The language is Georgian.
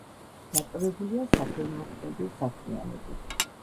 დაკავებულია საქველმოქმედო საქმიანობით.